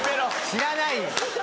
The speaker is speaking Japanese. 知らないよ。